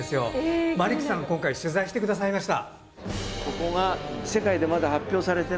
マリックさんが今回取材してくださいました。